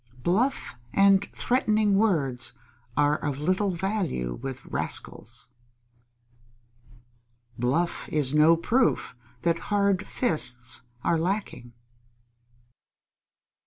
Bluff and threatening words are of little value with rascals. _Bluff is no proof that hard fists are lacking.